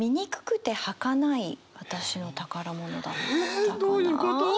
えどういうこと！？